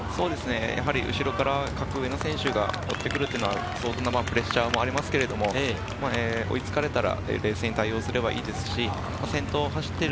後ろから格上の選手が来るっていうのはプレッシャーもありますけど、追いつかれたら、冷静に対応をすればいいですし、先頭を走ってる